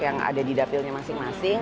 yang ada di dapilnya masing masing